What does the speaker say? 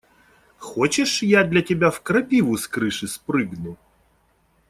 Хочешь, я для тебя в крапиву с крыши спрыгну?